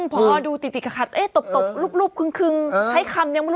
พอเค้าดูติดติกระคัดเอ๊ตบตบรูปรูปคึงคึงใช้คำนี้ไม่รู้